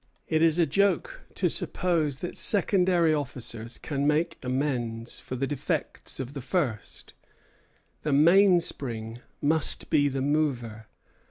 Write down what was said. It is a joke to suppose that secondary officers can make amends for the defects of the first; the mainspring must be the mover.